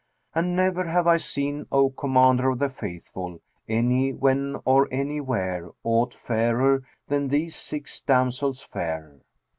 And never have I seen, O Commander of the Faithful, any when or any where, aught fairer than these six damsels fair."